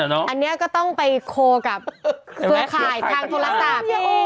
อันนี้ก็ต้องไปโคลกับเครือข่ายทางโทรศัพท์